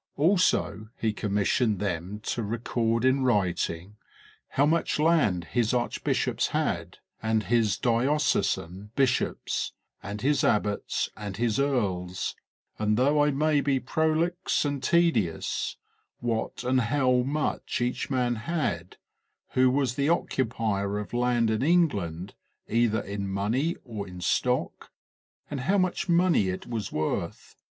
Also he commissioned them to re cord in writing, 'How much land his archbishops had, and his diocesan bishops, and his abbots, and his earls; and though I may be prolix and tedious, what and how much each man had, who was the occupier of land in England, either in money or in stock, and how much money it was worth.